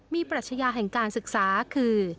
มีปรัชญาแห่งการศึกษาคือ